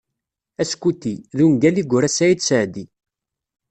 "Askuti" d ungal i yura Saɛid Saɛdi.